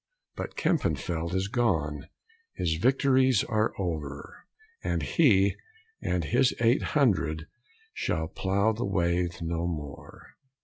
But Kempenfeldt is gone, His victories are o'er; And he, and his eight hundred, Shall plough the wave no more.